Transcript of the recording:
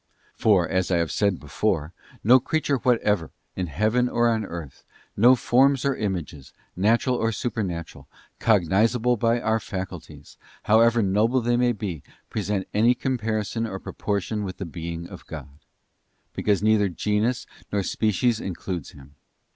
For, as I have said before, no creature whatever, in Heaven or on earth, no forms or images, natural or supernatural, cognisable by our faculties, however noble they may be, present any comparison or pro portion with the Being of God; because neither genus nor species includes Him.